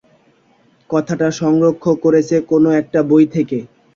কথাটা সংগ্রহ করেছে কোনো-একটা বই থেকে।